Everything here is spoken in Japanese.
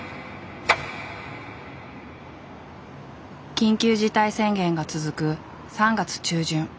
緊急事態宣言が続く３月中旬。